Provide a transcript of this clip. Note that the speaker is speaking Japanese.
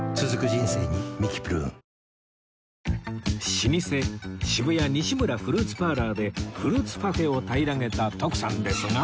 老舗渋谷西村フルーツパーラーでフルーツパフェを平らげた徳さんですが